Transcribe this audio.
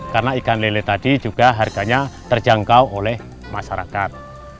karena ikan lele tadi juga harganya terjangkau oleh masyarakat